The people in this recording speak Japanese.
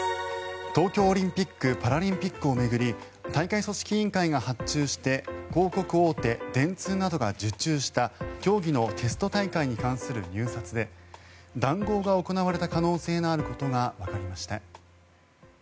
東京オリンピック・パラリンピックを巡り大会組織委員会が発注して広告大手、電通などが受注した競技のテスト大会に関する入札で談合が行われた可能性のあることがわかりました。